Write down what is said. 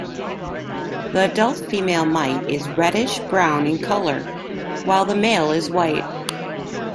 The adult female mite is reddish-brown in color, while the male is white.